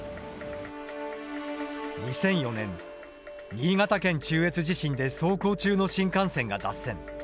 ２００４年新潟県中越地震で走行中の新幹線が脱線。